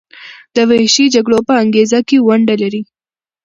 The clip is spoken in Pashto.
د وحشي جګړو په انګیزه کې ونډه لري.